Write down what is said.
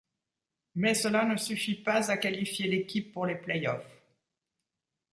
Mais cela ne suffit pas à qualifier l'équipe pour les playoffs.